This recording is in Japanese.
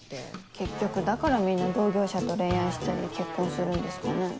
結局だからみんな同業者と恋愛したり結婚するんですかね。